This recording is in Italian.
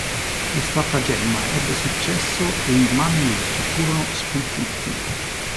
Lo stratagemma ebbe successo e i Mamelucchi furono sconfitti.